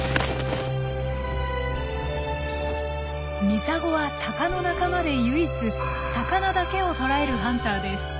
ミサゴはタカの仲間で唯一魚だけを捕らえるハンターです。